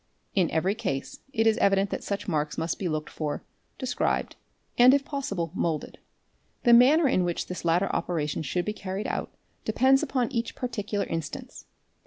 In every case it is evident that such marks must be looked for, described, and, if possible, moulded. The manner in which this latter operation should be carried out depends upon each particular instance.